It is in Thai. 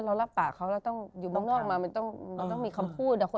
เรารับปากเขาเราต้องอยู่เมืองนอกมามันต้องมีคำพูด